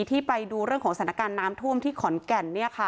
ที่ไปดูเรื่องของสถานการณ์น้ำท่วมที่ขอนแก่น